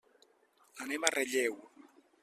Anem a Relleu.